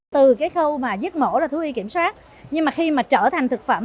từ cái khâu mà dứt mổ là thu y kiểm soát nhưng mà khi mà trở thành thực phẩm